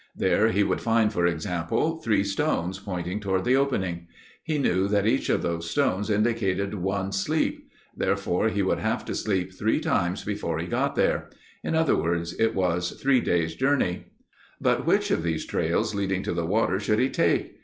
There he would find for example, three stones pointing toward the opening. He knew that each of those stones indicated one "sleep." Therefore he would have to sleep three times before he got there. In other words, it was three days' journey. But which of these trails leading to the water should he take?